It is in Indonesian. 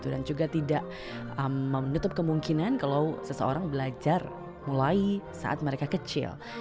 dan juga tidak menutup kemungkinan kalau seseorang belajar mulai saat mereka kecil